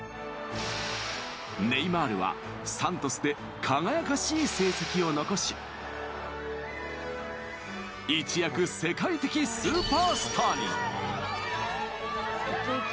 ネイマールはサントスで輝かしい成績を残し一躍、世界的スーパースターに。